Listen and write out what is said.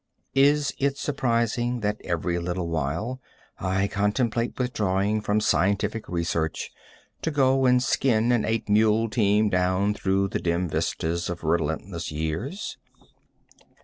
Is it surprising that every little while I contemplate withdrawing from scientific research, to go and skin an eight mule team down through the dim vista of relentless years?